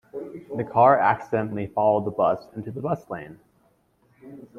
The car accidentally followed the bus into the bus lane.